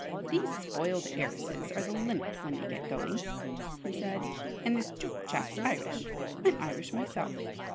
"These spoiled heiresses are the limit when they get going!" he said. "And this Duke chap's Irish. I'm Irish myself.